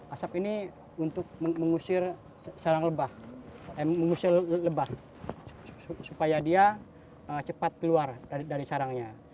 asap ini untuk mengusir lebah supaya dia cepat keluar dari sarangnya